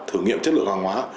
thử nghiệm chất lượng hàng hóa